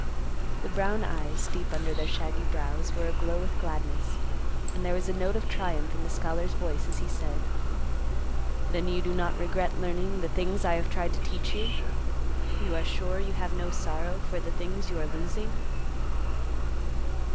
The brown eyes, deep under their shaggy brows, were aglow with gladness, and there was a note of triumph in the scholar's voice as he said, "Then you do not regret learning the things I have tried to teach you? You are sure you have no sorrow for the things you are losing."